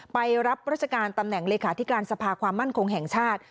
ไปรับราชการตำแหน่งเลขาธิการสภาความมั่นคงแห่งชาติ